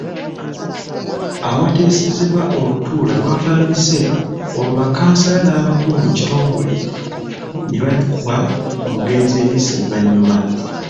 Awateesezebwa olutuula lwatandise olwo bakkansala n'abakulu mu kitongole nebakuba ku mugenzi eriiso evannyuma.